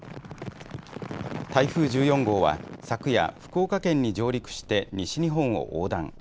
台風１４号は昨夜、福岡県に上陸して西日本を横断。